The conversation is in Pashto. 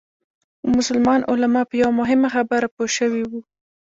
مسلمان علما په یوه مهمه خبره پوه شوي وو.